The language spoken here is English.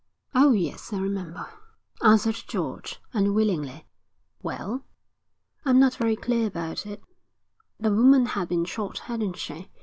'Oh, yes, I remember,' answered George, unwillingly 'Well?' 'I'm not very clear about it. The woman had been shot, hadn't she?